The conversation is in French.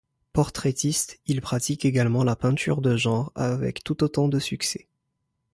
Portraitiste, il pratique également la peinture de genre avec tout autant de succès.